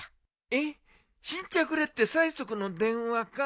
えっ新茶くれって催促の電話か？